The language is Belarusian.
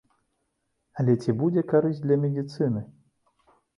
Але ці будзе карысць для медыцыны?